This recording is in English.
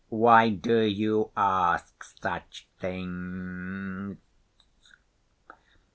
'Why do you ask such things?